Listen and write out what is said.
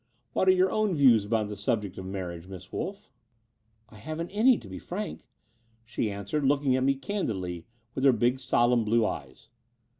What are your views upon the subject of marriage, Miss Wolff ?'' "I haven't any, to be frank," she answered, looking at me candidly with her big solemn blue eyes.